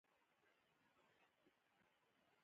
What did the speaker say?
چار مغز د افغانستان د طبیعي زیرمو یوه برخه ده.